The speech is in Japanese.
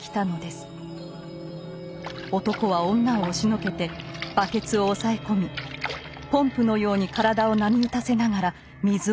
男は女を押しのけてバケツを押さえ込みポンプのように体を波打たせながら水を飲みます。